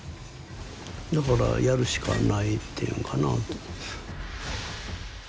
だからやるしかないっていうんかな。